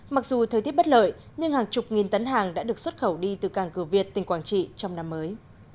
mặc dù thời tiết bất lợi nhưng hàng chục nghìn tấn hàng đã được xuất khẩu đi từ càng cửa việt tỉnh quảng trị trong năm mới